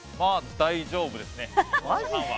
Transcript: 大丈夫ですね。